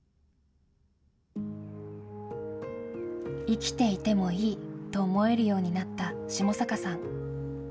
生きていてもいいと思えるようになった下坂さん。